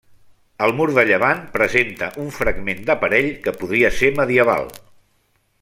El mur de llevant presenta un fragment d'aparell que podria ser medieval.